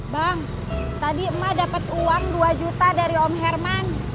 bang tadi emak dapat uang dua juta dari om herman